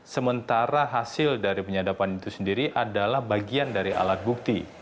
sementara hasil dari penyadapan itu sendiri adalah bagian dari alat bukti